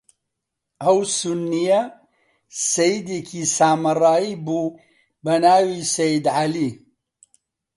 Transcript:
ئەو سوننییە سەییدێکی سامرایی بوو، بە ناوی سەیید عەلی